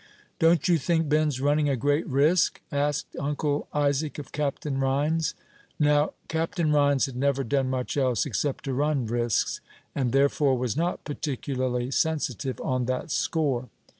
"Don't you think Ben's running a great risk?" asked Uncle Isaac of Captain Rhines. Now, Captain Rhines had never done much else, except to run risks, and therefore was not particularly sensitive on that score.